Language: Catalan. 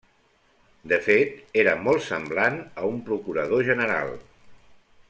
De fet, era molt semblant a un procurador general.